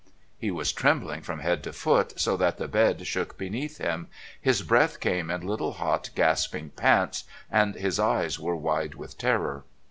He was trembling from head to foot so that the bed shook beneath him, his breath came in little hot gasping pants, and his eyes were wide with terror.